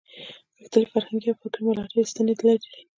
غښتلې فرهنګي او فکري ملاتړې ستنې لري.